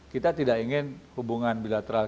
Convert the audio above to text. kita tidak ingin hubungan bilateral